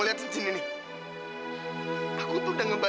jangan tinggalin aku